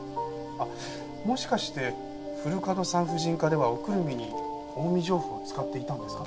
あっもしかして古門産婦人科ではおくるみに近江上布を使っていたんですか？